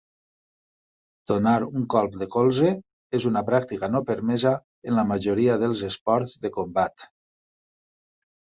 Donar un cop de colze és una pràctica no permesa en la majoria dels esports de combat.